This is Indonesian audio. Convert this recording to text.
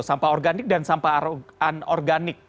sampah organik dan sampahan organik